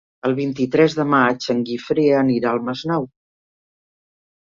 El vint-i-tres de maig en Guifré anirà al Masnou.